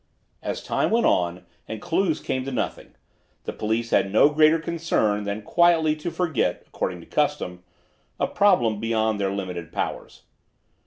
As time went on and "clues" came to nothing, the police had no greater concern than quietly to forget, according to custom, a problem beyond their limited powers.